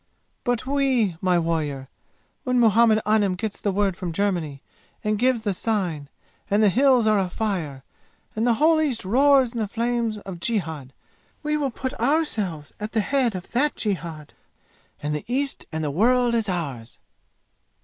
"But we, my warrior, when Muhammad Anim gets the word from Germany and gives the sign, and the 'Hills' are afire, and the whole East roars in the flame of the jihad we will put ourselves at the head of that jihad, and the East and the world is ours!"